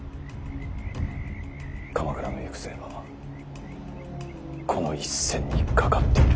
鎌倉の行く末はこの一戦にかかっている。